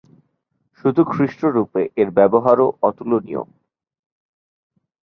শুধু খ্রিস্ট রূপে এর ব্যবহারও তুলনীয়।